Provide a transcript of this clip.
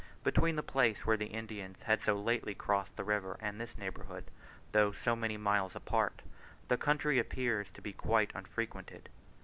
Between the place where the Indians had so lately crossed the river and this neighbourhood, though so many miles apart, the country appears to be quite unfrequented.